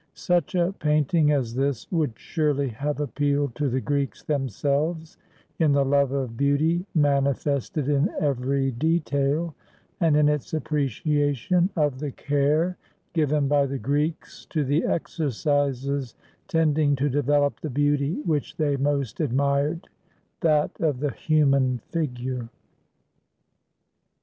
Such a painting as this would surely have ap pealed to the Greeks themselves in the love of beauty mani fested in every detail, and in its appreciation of the care given by the Greeks to the exercises tending to develop the beauty which they most admired, that of the human figure.